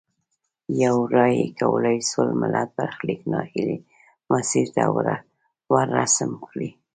یوي رایې کولای سول ملت برخلیک نا هیلي مسیر ته ورسم کړي.